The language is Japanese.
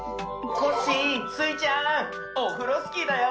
コッシースイちゃんオフロスキーだよ。